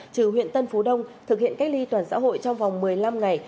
trừ huyện tân phú đông thực hiện cách ly toàn xã hội trong vòng một mươi năm ngày